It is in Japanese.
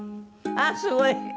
あっすごい！